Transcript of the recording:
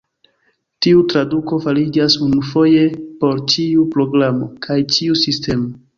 Tiu traduko fariĝas unufoje por ĉiu programo kaj ĉiu sistemo.